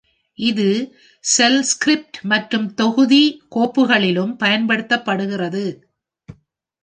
இது shell script மற்றும் தொகுதி கோப்புகளிலும் பயன்படுத்தப்படுகிறது.